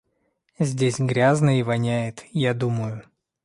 Здесь грязно и воняет, я думаю.